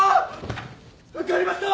受かりました！